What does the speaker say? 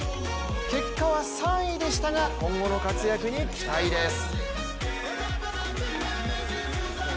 結果は３位でしたが今後の活躍に期待です。